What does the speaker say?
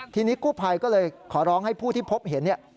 ทีนี้กู้ภัยก็เลยขอร้องให้ผู้ที่พบเห็นเนี่ย